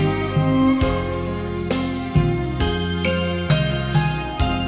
ทุกคนขอบคุณทุกคนขอบคุณทุกคนทุกคน